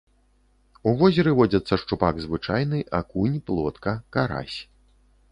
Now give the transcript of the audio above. У возеры водзяцца шчупак звычайны, акунь, плотка, карась.